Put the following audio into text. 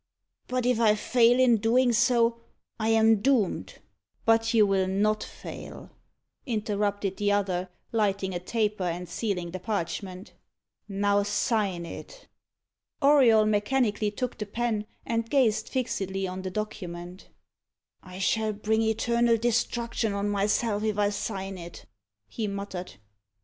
"But if I fail in doing so, I am doomed " "But you will not fail," interrupted the other, lighting a taper and sealing the parchment. "Now sign it." Auriol mechanically took the pen, and gazed fixedly on the document. "I shall bring eternal destruction on myself if I sign it," he muttered.